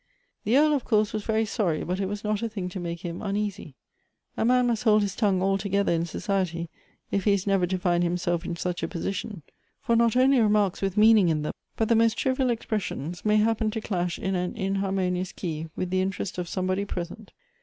The Earl, of course, was very sorry, but it was not a thing to make him uneasy. A man must hold his tongue altogether in society if he is never to nnd himself in such a position ; for not only remarks with meaning in them, but the most trivial expressions, may happen to clash in an inharmonious key with the interest of somebody present.